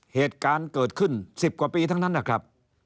เหตุการณ์เกิดขึ้น๑๐กว่าปีทั้งนั้นนะครับ